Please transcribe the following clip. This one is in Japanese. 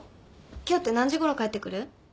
今日って何時ごろ帰ってくる？